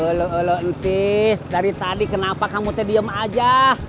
ulo ulo entis dari tadi kenapa kamu te diem aja